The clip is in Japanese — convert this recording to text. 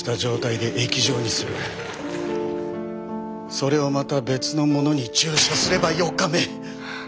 それをまた別の者に注射すれば４日目！